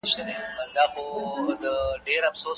سبا به زه بیا هڅه وکړم.